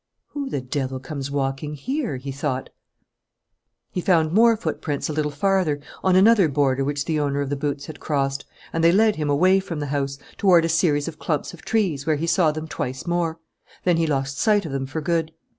"Who the devil comes walking here?" he thought. He found more footprints a little farther, on another border which the owner of the boots had crossed, and they led him away from the house, toward a series of clumps of trees where he saw them twice more. Then he lost sight of them for good.